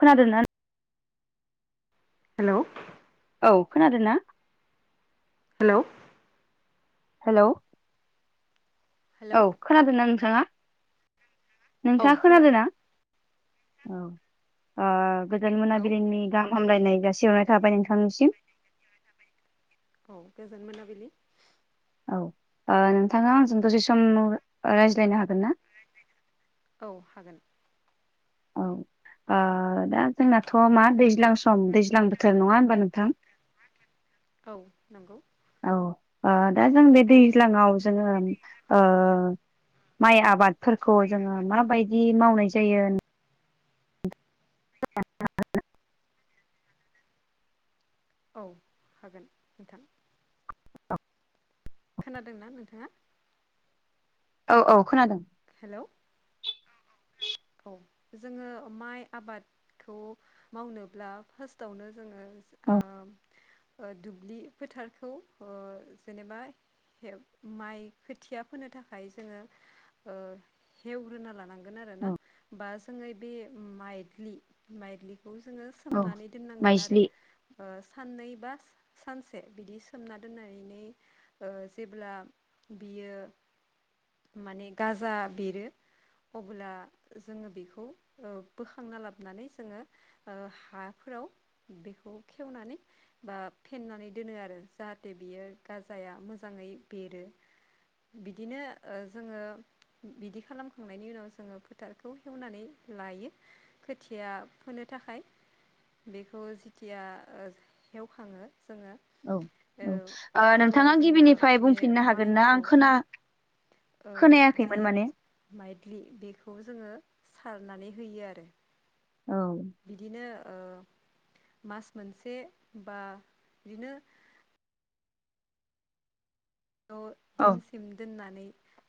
खोनादों ना हेल' औ खोनादों ना? हेल' हेल' हेलौ औ खोनादों नना नोंथाङा नोंथाङा खोनादों ना औ गोजान औ मोनाबिलिनि गाम हामलायनाय जासिहरनाय थाबाय नोंथांनिसिम। औ गोजोन मोनाबिलि औ नोंथाङा आंजों दसे सम रायज्लायनो हागोन ना औ हागोन औ दा जोंनाथ' मा दैज्लां सम दैज्लां बोथोर नङा होनोमबा नोंथां औ नंगौ औ दा जों बे दैज्लाङाव जोङो माइ आबादफोरखौ जोङो माबायदि मावनाय जायो। [unintelligible] औ हागोन नोंथां। खोनादोंना नोंथाङा? औ औ खोनादों। हेल' औ जोङो माइ आबादखौ मावनोब्ला फास्ट फुस्टावनो औ जोङो दुब्लि फोथारखौ जेनेबा माइ खोथिया फोनो थाखाय जोङो हेवग्रोना लानांगोन आरो ना बा जोङो बे माइलि माइ्लिखौ जोङो औ सोमनानै दोननांगोन आरो। माइज्लि साननै बा सानसे बिदि सोमना दोननानै जेब्ला बियो माने गाजा बिरो अब्ला जोङो बेखौ बोखांना लाबोनानै जोङो हाफोराव बेखौ खेवनानै बा फेनानै दोनो आरो जाहाथे बियो गाजाया मोजाङै बेरो बिदिनो जोङो बिदि खालामखांनायनि उनाव जोङो फोथारखौ हेवनानै लायो। खोथिया फोनो थाखाय बेखौ जेखिया हेवखाङो जोङो औ ओ औ अब्ला नोंथाङा जोङो गिबिनिफ्राय बे बुंफिननो हागोन ना माइखौ आं ओ खोना जि खोनायाखैमोन माने माइद्लि बेखौ जोङो सारनानै होयो आरो। औ। बिदिनो मास मोनसे बा बिदिनो द' औ दिनसिम दोननानै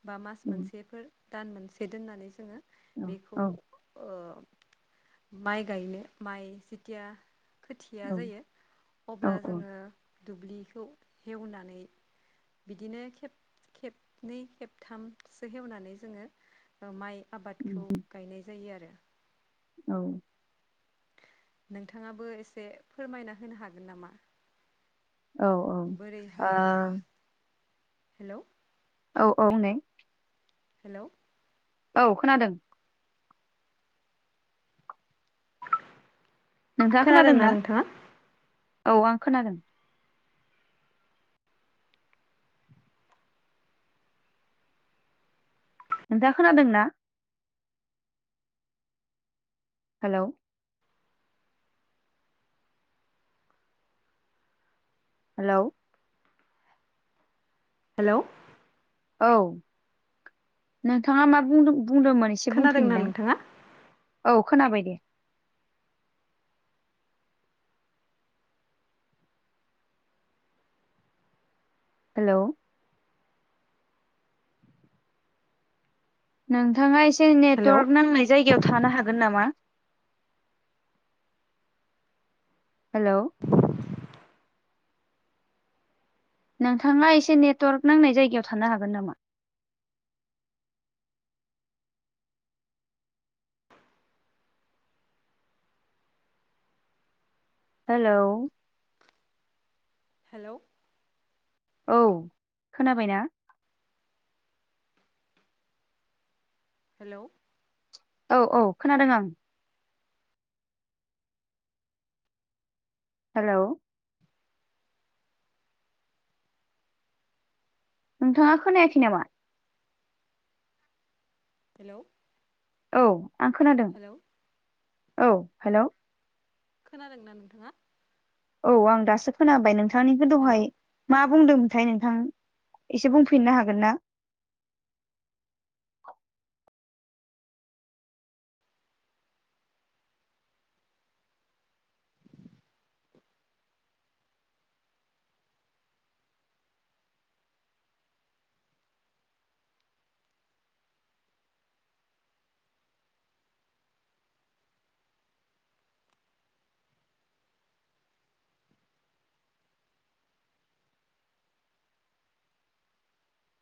बा मास उम मोनसेफोर दान मोनसे दोननानै जोङो औ बेखौ औ माइ गायनो माइ जथिया खोथिया औ जायो औ अब्ला औ जोङो दुब्लिखौ हेवनानै बिदिनो खब खेबनै खेबथामसो हवनानै जोङो माइ उम आबादखौ गायनाय जायो आरो। औ। नोंथाङाबो एसे फोरमायना होनो हागोन नामा? औ बोरैहाय हेल'? औ औ नै हेल' औ खोनादों। नोंथाङा खोनादों खोनादोंना ना नोंथाङा औ आं खोनादों। खोंथा खोनादों ना? हेल' हेलौ हेल' औ नोंथाङा मा बुंदों बुंदोंमोन एसे खोनादोंना बुंफैनोलाय नोंथाङा औ खोनाबाय दे। हेल' नोंथाङा एसे हेलौ नेटवार्क नांनाय जायगायाव थानो हागोन नामा? हेल' नोंथाङा एसे नेटवर्कनांनाय जायगायाव थानो हागोन नामा? हेल' हेल' औ खोनाबायना हेल' औ औ खोनादों आं हेल' नोंथाङा खोनायखि नामा हेल' औ आं खोनादों औ हेल'। खोनादोंना नोंथाङा? औ आं दासो खोनाबाय नोंथांनिखौ हेलौ दहाय मा बुंदोंमोनथाय नोंथां एसे बुंफिननो हागोन ना?